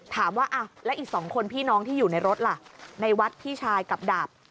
ถามว่าแล้วอีก๒คนพี่น้องที่อยู่ในรถล่ะในวัดพี่ชายกับดาบ